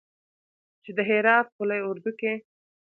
چې د هرات قول اردو کې